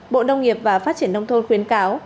bộ nông nghiệp và phát triển nông thôn khuyến cáo